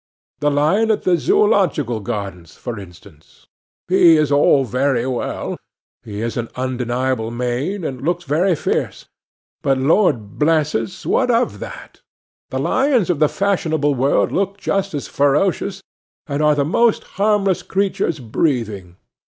The lion at the Zoological Gardens, for instance. He is all very well; he has an undeniable mane, and looks very fierce; but, Lord bless us! what of that? The lions of the fashionable world look just as ferocious, and are the most harmless creatures breathing.